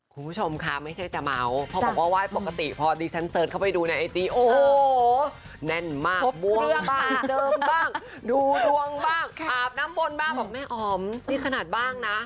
คุณผู้ชมค่ะไม่ใช่จะเมาเพราะบอกว่าไหว้ปกติพอดีฉันเสิร์ชเข้าไปดูในไอจีโอ้โหแน่นมากบัวบ้างเจิมบ้างดูดวงบ้างอาบน้ำมนต์บ้างบอกแม่อ๋อมนี่ขนาดบ้างนะ